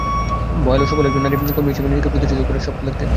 Viola সফল একজন নারী কর্মী হিসেবে নিজেকে প্রতিষ্ঠিত করার স্বপ্ন দেখতেন।